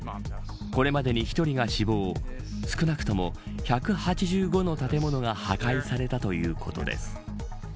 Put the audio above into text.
これまでに１人が死亡少なくとも１８５の建物が破壊されたということです。